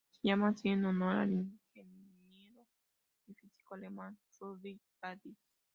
Se llama así en honor al ingeniero y físico alemán Ludwig Prandtl.